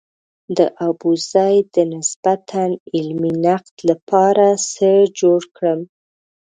د ابوزید د نسبتاً علمي نقد لپاره څه جوړ کړم.